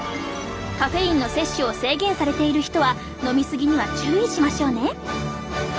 カフェインの摂取を制限されている人は飲み過ぎには注意しましょうね！